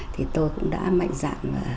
thì tôi cũng đã mạnh dạng